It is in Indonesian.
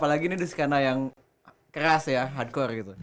biasanya main ya apalagi di skena yang keras ya hardcore gitu